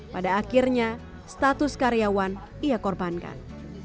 pada akhirnya status karyawan ia korbankan